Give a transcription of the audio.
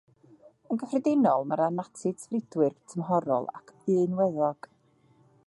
Yn gyffredinol mae'r anatids fridwyr tymhorol ac unweddog.